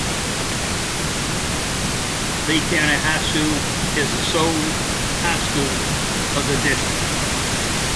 Lee County High School is the sole high school of the district.